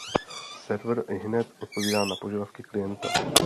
Server ihned odpovídá na požadavky klienta.